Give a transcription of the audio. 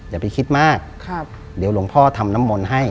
อย่าไปคิดมากเดี๋ยวหลวงพ่อทำน้ำมนต์ให้